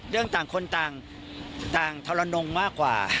เรื่องต่างคนต่างทะละนงมากกว่า